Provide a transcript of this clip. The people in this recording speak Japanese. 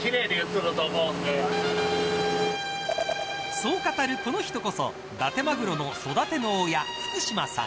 そう語るこの人こそだてまぐろの育ての親福島さん。